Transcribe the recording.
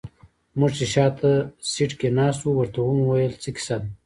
موږ چې شاته سيټ کې ناست وو ورته ومو ويل څه کيسه ده.